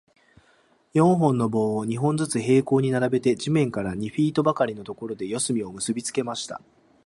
四本の棒を、二本ずつ平行に並べて、地面から二フィートばかりのところで、四隅を結びつけました。